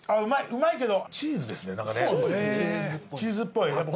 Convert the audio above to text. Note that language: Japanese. うまいけど。